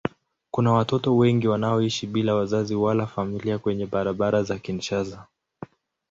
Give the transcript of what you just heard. Kuna watoto wengi wanaoishi bila wazazi wala familia kwenye barabara za Kinshasa.